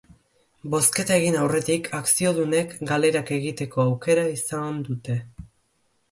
Bozketa egin aurretik, akziodunek galderak egiteko aukera izan dute.